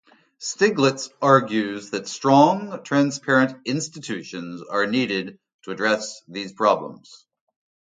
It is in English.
Stiglitz argues that strong, transparent institutions are needed to address these problems.